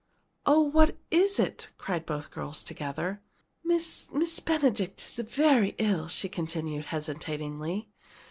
"Oh, what is it?" cried both girls together. "Miss Miss Benedict is very ill," she continued hesitatingly.